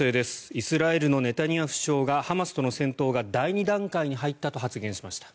イスラエルのネタニヤフ首相がハマスとの戦闘が第２段階に入ったと発言しました。